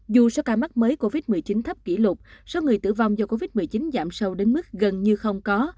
dù số ca mắc mới covid một mươi chín thấp kỷ lục số người tử vong do covid một mươi chín giảm sâu đến mức gần như không có